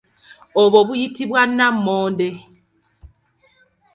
Obwo buyitibwa nammonde.